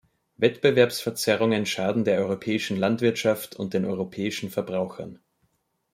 Wettbewerbsverzerrungen schaden der europäischen Landwirtschaft und den europäischen Verbrauchern.